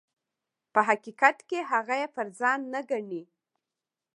په حقیقت کې هغه یې پر ځان نه ګڼي.